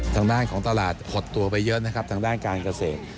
ทางด้านของตลาดหดตัวไปเยอะนะครับทางด้านการเกษตร